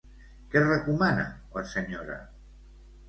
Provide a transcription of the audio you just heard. Què recomana la senyora?